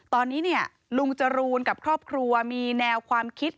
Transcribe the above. ตอนนี้เนี่ยลุงจรูนกับครอบครัวมีแนวความคิด